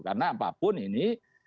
karena apapun ini